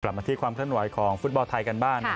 มาที่ความเคลื่อนไหวของฟุตบอลไทยกันบ้าง